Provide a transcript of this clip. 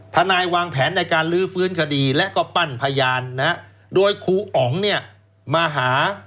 ทนายวางแผนในการลื้อฟื้นคดีและก็ปั้นพยานนะโดยครูอ๋องเนี่ยมาหา